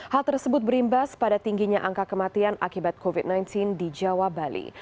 hal tersebut berimbas pada tingginya angka kematian akibat covid sembilan belas di jawa bali